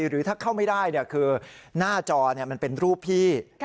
หรือถ้าเข้าไม่ได้คือหน้าจอมันเป็นรูปพี่